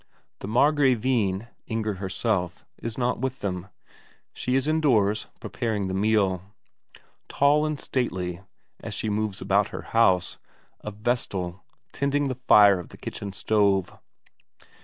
The Margravine, Inger herself, is not with them; she is indoors preparing the meal. Tall and stately, as she moves about her house, a Vestal tending the fire of a kitchen stove.